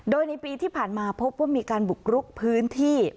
โดยในปีที่ผ่านมาพบว่ามีการบุกรุกพื้นที่